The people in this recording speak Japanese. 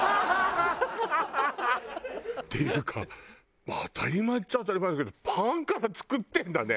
ハハハハ！っていうか当たり前っちゃ当たり前だけどパンから作ってるんだね。